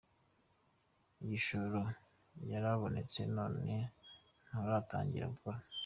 Igishoro yarabonetse, none nturatangira gukora.